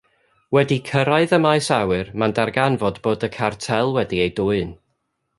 Wedi cyrraedd y maes awyr mae'n darganfod bod y Cartel wedi ei dwyn.